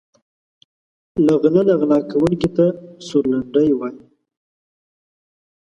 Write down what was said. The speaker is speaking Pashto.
له غله نه غلا کونکي ته سورلنډی وايي.